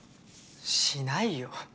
しないよ。